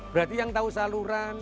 berarti yang tahu saluran